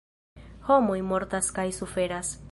Homoj mortas kaj suferas.